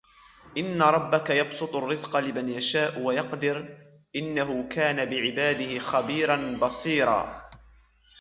إِنَّ رَبَّكَ يَبْسُطُ الرِّزْقَ لِمَنْ يَشَاءُ وَيَقْدِرُ إِنَّهُ كَانَ بِعِبَادِهِ خَبِيرًا بَصِيرًا